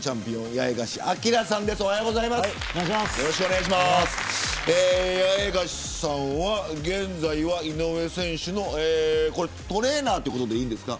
八重樫さんは現在、井上選手のトレーナーということでいいんですか。